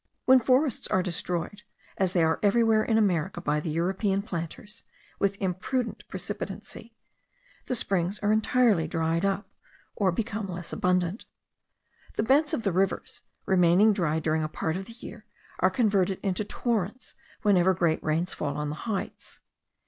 When forests are destroyed, as they are everywhere in America by the European planters, with imprudent precipitancy, the springs are entirely dried up, or become less abundant. The beds of the rivers, remaining dry during a part of the year, are converted into torrents whenever great rains fall on the heights.